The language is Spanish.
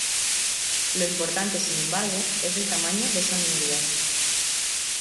Lo importante, sin embargo, es el tamaño de esa minoría.